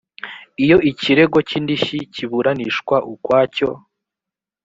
iyo ikirego cy indishyi kiburanishwa ukwacyo